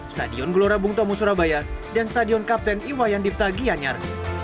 stadion gelora bung tomo surabaya dan stadion kapten iwayan dipta gianyar